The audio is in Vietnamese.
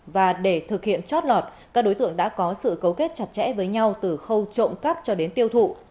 và để thực hiện chót lọt các đối tượng đã có sự cấu kết chặt chẽ với nhau từ khâu trộm cắp cho đến tiêu thụ